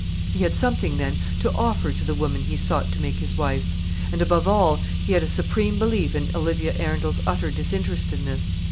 He had something, then, to offer to the woman he sought to make his wife; and, above all, he had a supreme belief in Olivia Arundel's utter disinterestedness.